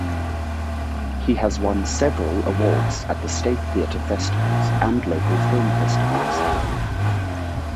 He has won several awards at the state theater festivals and local film festivals.